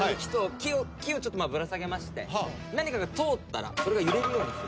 木をぶら下げまして何かが通ったらそれが揺れるようにする。